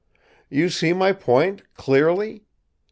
"You see my point, clearly?